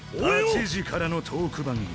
８時からのトーク番組